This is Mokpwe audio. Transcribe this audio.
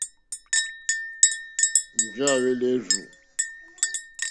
Njɛ̂ à hwélí èrzù.